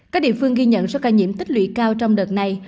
các địa phương ghi nhận số ca nhiễm tích lũy cao trong đợt này